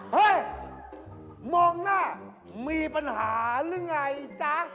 เฮ้ยมองหน้ามีปัญหาหรือไงจ๊ะ